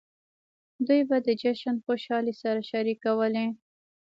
دوی به د جشن خوشحالۍ سره شریکولې.